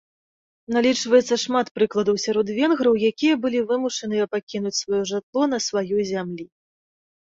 Налічваецца шмат прыкладаў сярод венграў, якія былі вымушаныя пакінуць сваё жытло на сваёй зямлі.